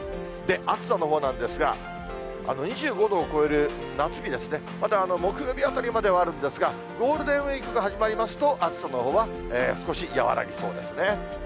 暑さのほうなんですが、２５度を超える夏日ですね、まだ木曜日あたりまではあるんですが、ゴールデンウィークが始まりますと、暑さのほうは少し和らぎそうですね。